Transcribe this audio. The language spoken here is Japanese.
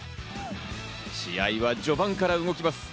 試合は序盤から動きます。